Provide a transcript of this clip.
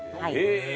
へえ。